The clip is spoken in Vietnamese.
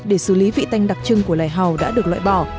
để xử lý vị tanh đặc trưng của loài hầu đã được loại bỏ